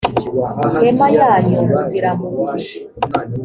hema yanyu mugira muti